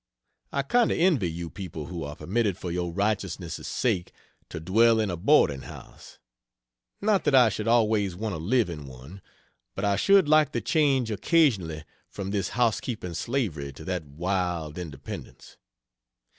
I kind of envy you people who are permitted for your righteousness' sake to dwell in a boarding house; not that I should always want to live in one, but I should like the change occasionally from this housekeeping slavery to that wild independence.